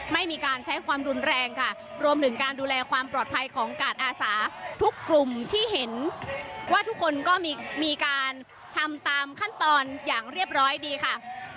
ไม่มีการใช้ความรุนแรงค่ะรวมถึงการดูแลความปลอดภัยของกาดอาสาทุกกลุ่มที่เห็นว่าทุกคนก็มีการทำตามขั้นตอนอย่างเรียบร้อยดีค่ะ